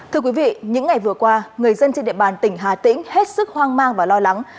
thưa quý vị những ngày vừa qua người dân trên địa bàn tỉnh hà tĩnh hết sức hoang mang và lo lắng